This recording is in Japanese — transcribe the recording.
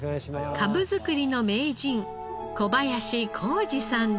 かぶ作りの名人小林弘治さんです。